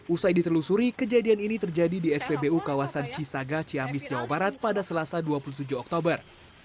usai ditelusuri kejadian ini terjadi di spbu kawasan cisaga ciamis jawa barat pada selasa dua puluh tujuh oktober